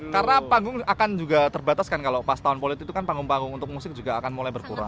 karena panggung akan juga terbatas kan kalo pas tahun politik itu kan panggung panggung untuk musik juga akan mulai berkurang